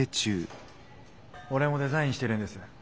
オレも「デザイン」してるんです